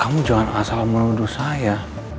kamu jangan asal menuduh saya